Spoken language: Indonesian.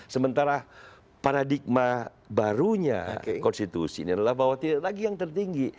sementara paradigma barunya konstitusi ini adalah bahwa tidak lagi yang tertinggi